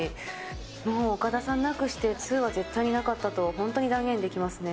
もう岡田さんなくして２は絶対になかったと本当に断言できますね。